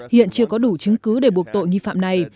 hiện chưa có đủ chứng cứ để buộc tội nghi phạm này